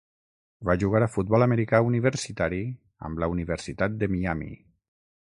Va jugar a futbol americà universitari amb la Universitat de Miami.